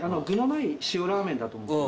具のない塩ラーメンだと。